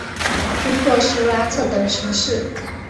经过苏拉特等城市。